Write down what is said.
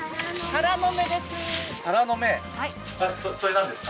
タラの芽です。